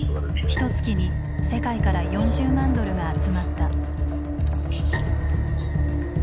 ひとつきに世界から４０万ドルが集まった。